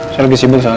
saya lagi sibuk soalnya